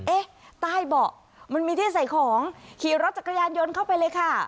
เอ๊ะใต้เบาะมันมีที่ใส่ของขี่รถจักรยานยนต์เข้าไปเลยค่ะ